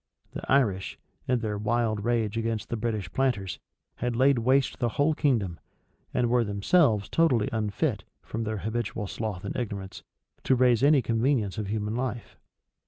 The Irish, in their wild rage against the British planters, had laid waste the whole kingdom, and were themselves totally unfit, from their habitual sloth and ignorance, to raise any convenience of human life.